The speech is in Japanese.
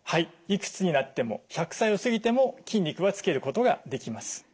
いくつになっても１００歳を過ぎても筋肉はつけることができます。